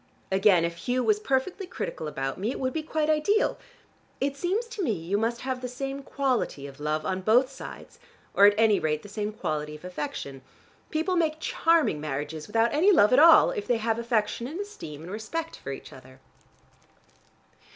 Again if Hugh was perfectly critical about me, it would be quite ideal. It seems to me you must have the same quality of love on both sides, or at any rate the same quality of affection. People make charming marriages without any love at all, if they have affection and esteem and respect for each other."